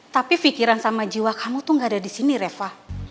tapi pikiran sama jiwa kamu tuh gak ada di sini reva